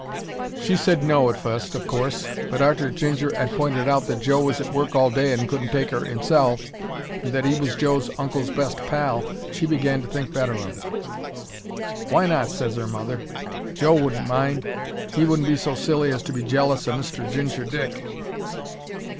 She said "No" at fust, of course, but arter Ginger 'ad pointed out that Joe was at work all day and couldn't take 'er 'imself, and that 'e was Joe's uncle's best pal, she began to think better of it. "Why not?" ses her mother. "Joe wouldn't mind. He wouldn't be so silly as to be jealous o' Mr. Ginger Dick."